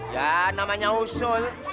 ya namanya usul